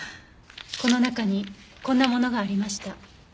この中にこんなものがありました。